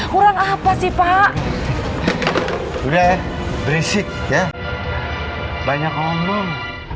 kurang apa sih pak udah berisik ya banyak ngomong